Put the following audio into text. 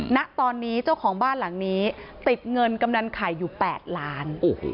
ณตอนนี้เจ้าของบ้านหลังนี้ติดเงินกำนันไข่อยู่๘ล้าน